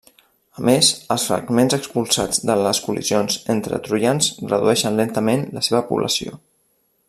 A més, els fragments expulsats de les col·lisions entre troians redueixen lentament la seva població.